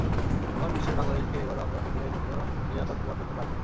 আমার বিশ্বাস, বাংলাদেশকে এবারও আমরা ক্রিকেটের জন্য নিরাপদ প্রমাণ করতে পারব।